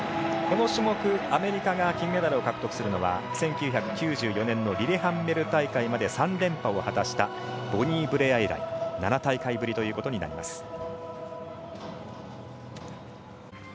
この種目アメリカが金メダルを獲得するのは１９９４年のリレハンメル大会まで３連覇を果たしたボニー・ブレア以来７大会ぶりということになります。